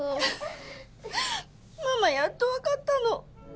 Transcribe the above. ママやっと分かったの。